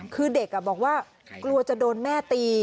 คือเด็กบอกว่ากลัวจะโดนแม่ตี